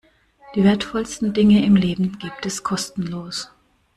Die wertvollsten Dinge im Leben gibt es kostenlos.